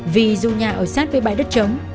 vì dù nhà ở sát với bãi đất trống